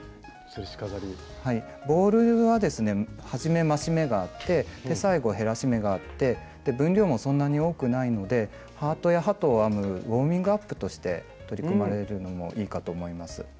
ボールはですね初め増し目があって最後減らし目があって分量もそんなに多くないのでハートや鳩を編むウォーミングアップとして取り組まれるのもいいかと思います。